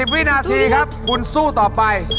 วินาทีครับบุญสู้ต่อไป